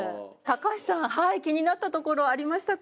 橋さん気になったところありましたか？